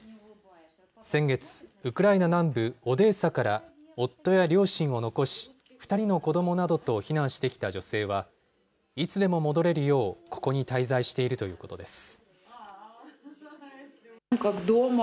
先月、ウクライナ南部オデーサから夫や両親を残し、２人の子どもなどと避難してきた女性は、いつでも戻れるよう、ここに滞在しているということです。